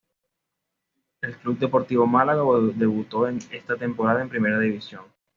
El Club Deportivo Málaga debutó esta temporada en Primera División.